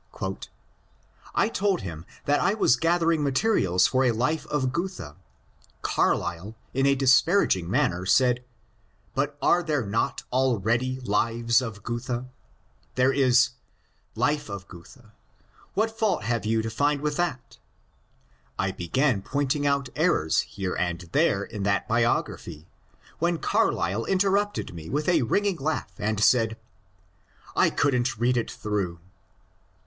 ^^ I told him that I was gathering materials for a life of Goethe. Carlyle in a disparaging manner said, * But are there not already Lives of Goethe ? There is 's Life of Goethe ; what fault have you to find with that ?' I began pointing out errors here and there in that biography, when Carlyle interrupted me with a ringing laugh and said, ^I could n't read it through.'